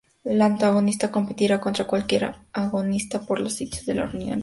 El antagonista competirá contra cualquier agonista por los sitios de unión del receptor.